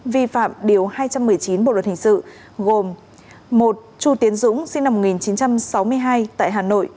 vi phạm điều hai trăm một mươi chín bộ luật hình sự gồm một chu tiến dũng sinh năm một nghìn chín trăm sáu mươi hai tại hà nội